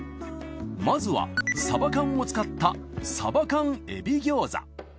まずはサバ缶を使ったサバ缶エビ餃子。